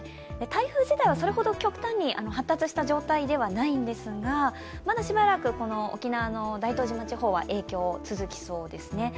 台風自体はそれほど極端に発達した状態ではないんですがまだしばらく、この沖縄の大東島地方は影響が続きそうですね。